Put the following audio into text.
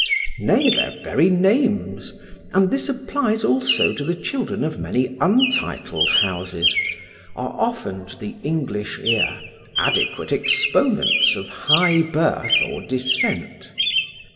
Nay, their very names (and this applies also to the children of many untitled houses) are often, to the English ear, adequate exponents of high birth or descent.